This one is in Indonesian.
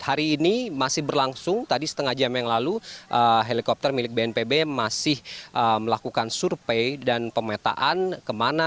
hari ini masih berlangsung tadi setengah jam yang lalu helikopter milik bnpb masih melakukan survei dan pemetaan